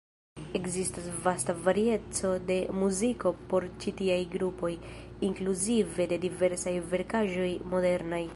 Ekzistas vasta varieco de muziko por ĉi tiaj grupoj, inkluzive de diversaj verkaĵoj modernaj.